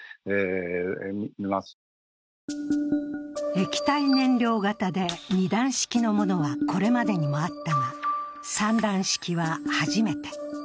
液体燃料型で二段式のものはこれまでにもあったが、三段式は初めて。